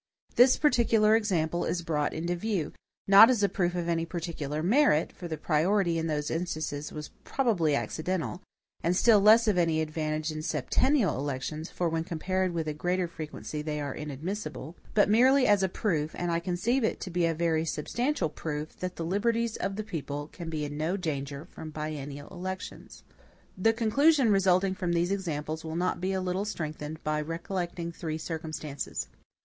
This particular example is brought into view, not as a proof of any peculiar merit, for the priority in those instances was probably accidental; and still less of any advantage in SEPTENNIAL elections, for when compared with a greater frequency they are inadmissible; but merely as a proof, and I conceive it to be a very substantial proof, that the liberties of the people can be in no danger from BIENNIAL elections. The conclusion resulting from these examples will be not a little strengthened by recollecting three circumstances.